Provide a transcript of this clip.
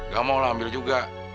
gak mau lo ambil juga